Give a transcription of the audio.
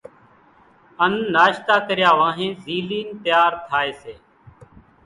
ان ناشتا ڪريا وانھين زيلين تيار ٿائي سي۔